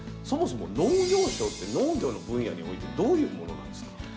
そもそも農業賞って農業の分野においてどういうものなんですか？